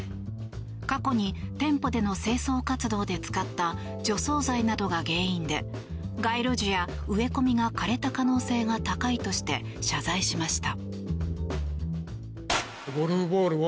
過去に店舗での清掃活動で使った除草剤などが原因で街路樹や植え込みが枯れた可能性が高いとして謝罪しました。